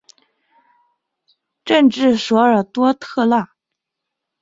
镇治索尔多特纳。